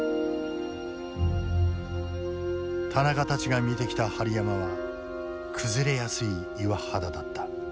田中たちが見てきた針山は崩れやすい岩肌だった。